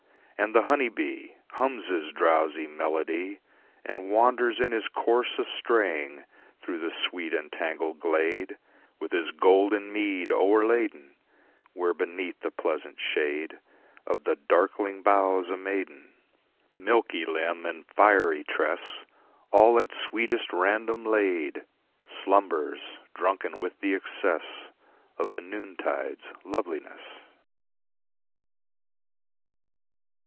And the honey bee Hums his drowsy melody And wanders in his course a straying Through the sweet and tangled glade With his golden mead o'erladen, Where beneath the pleasant shade Of the darkling boughs a maiden Milky limb and fiery tress, All at sweetest random laid Slumbers, drunken with the excess Of the noontide's loveliness.